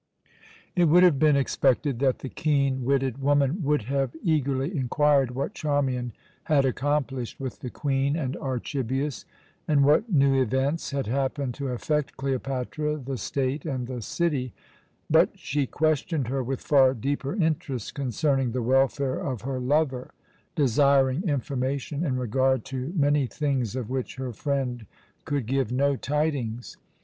It would have been expected that the keen witted woman would have eagerly inquired what Charmian had accomplished with the Queen and Archibius, and what new events had happened to affect Cleopatra, the state, and the city; but she questioned her with far deeper interest concerning the welfare of her lover, desiring information in regard to many things of which her friend could give no tidings.